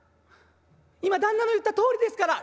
今旦那の言ったとおりですから」。